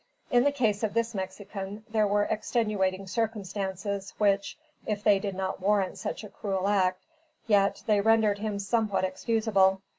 In the case of this Mexican, there were extenuating circumstances which, if they did not warrant such a cruel act, yet they rendered him somewhat excusable.